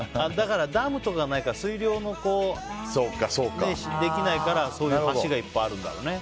ダムとかないから水量のできないからそういう橋がいっぱいあるんだろうね。